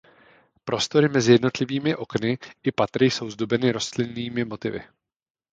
Prostory mezi jednotlivými okny i patry jsou zdobeny rostlinnými motivy.